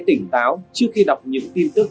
tỉnh táo trước khi đọc những tin tức